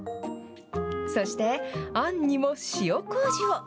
そして、あんにも塩こうじを。